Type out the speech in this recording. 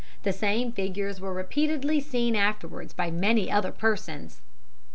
The same figures were repeatedly seen afterwards by many other persons.